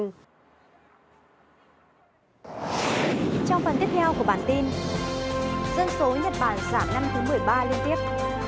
trong phần tiếp theo của bản tin dân số nhật bản giảm năm thứ một mươi ba liên tiếp